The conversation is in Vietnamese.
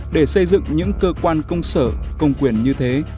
để xây dựng những cơ quan công sở công quyền như thế